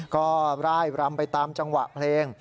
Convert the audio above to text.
ก็ร่ายรำไปตามจังหวะเพลง